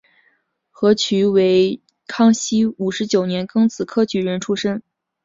何衢为康熙五十九年庚子科举人出身。